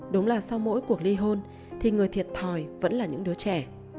đúng là sau mỗi cuộc ly hôn thì người thiệt thòi vẫn là những đứa trẻ